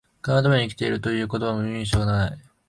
金のために生きている、という言葉は、耳にした事が無い